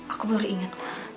aku baru ingat